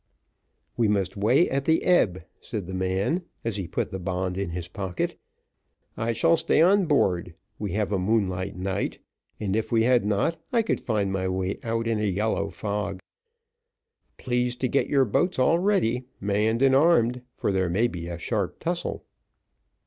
"We must weigh at the ebb," said the man, as he put the bond in his pocket. "I shall stay on board; we have a moonlight night, and if we had not, I could find my way out in a yellow fog. Please to get your boats all ready, manned and armed, for there may be a sharp tussle."